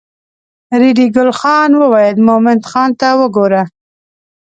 ریډي ګل خان وویل مومن خان ته وګوره.